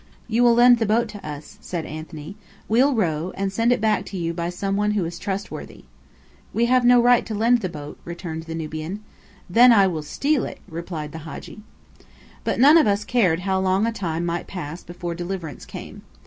"You will lend the boat to us," said Anthony. "We'll row, and send it back to you here by some one who is trustworthy." "We have no right to lend the boat," returned the Nubian. "Then I will steal it," replied the Hadji. But none of us cared how long a time might pass before deliverance came.